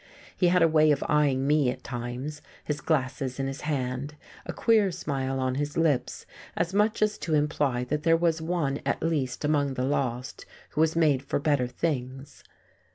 He had a way of eyeing me at times, his glasses in his hand, a queer smile on his lips, as much as to imply that there was one at least among the lost who was made for better things.